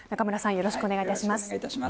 よろしくお願いします。